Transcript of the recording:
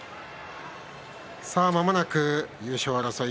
まもなく優勝争い